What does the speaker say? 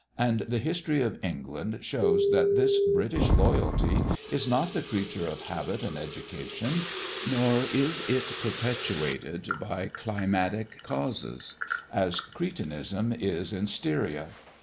And the history of England shews that this British loyalty is not the creature of habit and education; nor is it perpetuated by climatic causes, as Cretinism is in Styria.